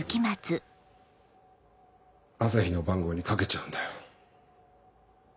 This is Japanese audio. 朝陽の番号にかけちゃうんだよ。